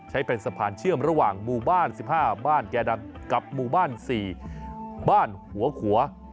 ใช้เป็นสะพานเชื่อมระหว่างหมู่บ้าน๑๕บ้านแก่ดังกับหมู่บ้าน๔บ้านหัวขัว